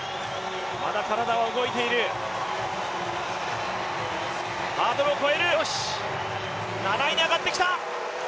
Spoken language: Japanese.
まだ体は動いている、ハードルを越える、７位に上がってきた。